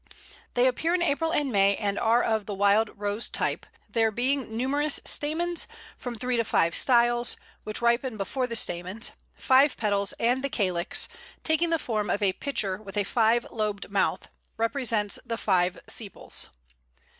They appear in April and May, and are of the Wild Rose type, there being numerous stamens, from three to five styles, which ripen before the stamens, five petals, and the calyx, taking the form of a pitcher with a five lobed mouth, represents the five sepals.